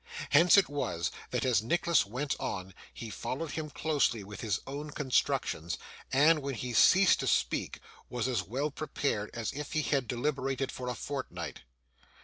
Hence it was that, as Nicholas went on, he followed him closely with his own constructions, and, when he ceased to speak, was as well prepared as if he had deliberated for a fortnight.